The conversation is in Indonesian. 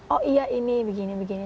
oh iya ini begini begini